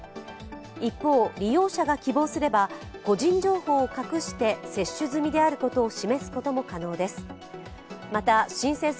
一方、利用者が希望すれば個人情報を隠して接種済みであることを示すことも可能です。